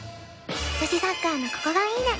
女子サッカーのここがイイね！